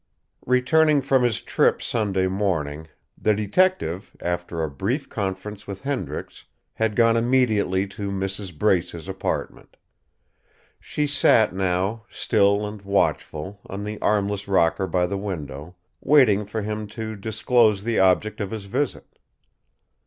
Returning from his trip Sunday morning, the detective, after a brief conference with Hendricks, had gone immediately to Mrs. Brace's apartment. She sat now, still and watchful, on the armless rocker by the window, waiting for him to disclose the object of his visit.